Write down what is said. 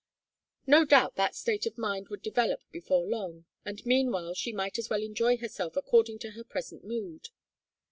No doubt that state of mind would develop before long, and meanwhile she might as well enjoy herself according to her present mood.